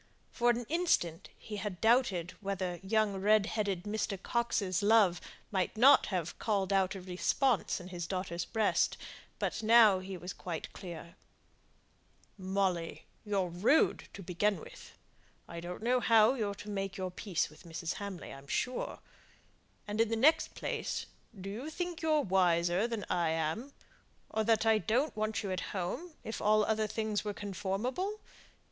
For an instant he had doubted whether young red headed Mr. Coxe's love might not have called out a response in his daughter's breast; but he was quite clear now. "Molly, you're rude to begin with. I don't know how you're to make your peace with Mrs. Hamley, I'm sure. And in the next place, do you think you're wiser than I am; or that I don't want you at home, if all other things were conformable?